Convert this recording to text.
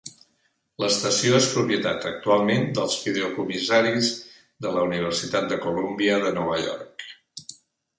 L'estació és propietat actualment dels fideïcomissaris de la Universitat de Columbia de Nova York.